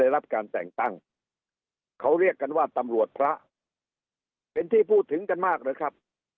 รับการแต่งตั้งเขาเรียกกันว่าตำรวจพระเป็นที่พูดถึงกันมากเลยครับ